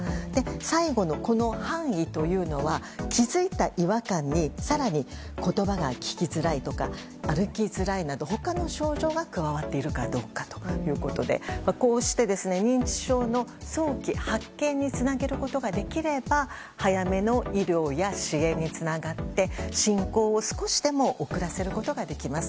最後の、範囲というのは気づいた違和感に更に言葉が聞きづらいとか歩きづらいなど他の症状が加わっているかどうかということでこうして、認知症の早期発見につなげることができれば早めの医療や支援につながって進行を少しでも遅らせることができます。